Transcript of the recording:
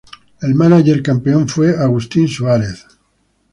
El mánager campeón fue Agustín Suárez.